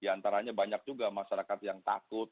di antaranya banyak juga masyarakat yang takut